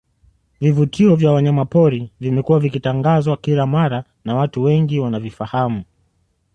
Vivutio vya wanyamapori vimekuwa vikitangazwa kila mara na watu wengi wanavifahamu